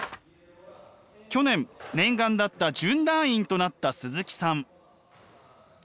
去年念願だった準団員となった鈴木さん。